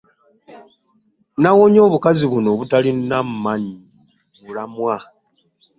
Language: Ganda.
Nawonye obukazi buno obutalina mulamwa.